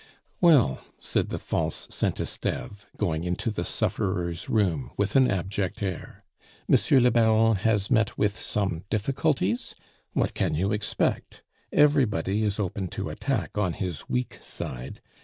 "Well," said the false Saint Esteve, going into the sufferer's room with an abject air, "Monsieur le Baron has met with some difficulties? What can you expect! Everybody is open to attack on his weak side.